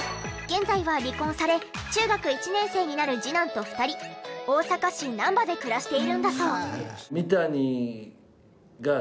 現在は離婚され中学１年生になる次男と２人大阪市難波で暮らしているんだそう。